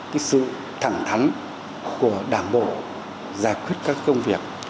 cái sự thẳng thắn của đảng bộ giải quyết các công việc